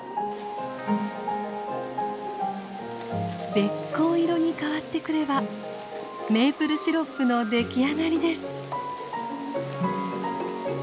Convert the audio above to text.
べっ甲色に変わってくればメープルシロップの出来上がりです。